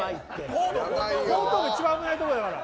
後頭部、一番危ないところだから。